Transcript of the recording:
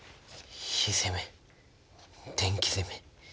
火攻め電気攻め。